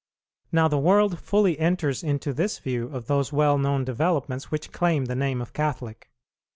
Now the world fully enters into this view of those well known developments which claim the name of Catholic.